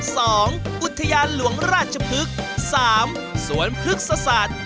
อุทยานหลวงราชพฤกษ์สามสวนพฤกษศาสตร์